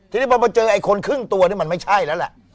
ทีนี้พอมาเจอไอ้คนครึ่งตัวนี่มันไม่ใช่แล้วแหละ